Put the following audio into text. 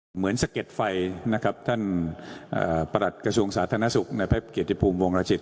เหมือนสะเก็ดไฟพระรัติกระชุมสาธานสุขในภาพเกียรติภูมิวงละชิต